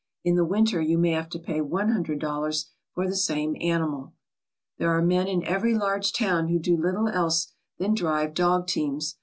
In the winter you may have to pay one hundred dollars for the same animal. There are men in every large town who do little else than drive dog teams.